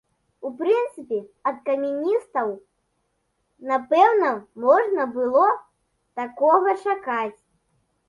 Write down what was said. У прынцыпе, ад камуністаў, напэўна, можна было такога чакаць.